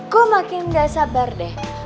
gue makin gak sabar deh